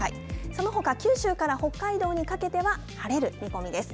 そのほか九州から北海道にかけては晴れる見込みです。